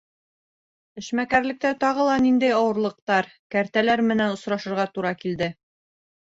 — Эшмәкәрлектә тағы ла ниндәй ауырлыҡтар, кәртәләр менән осрашырға тура килде?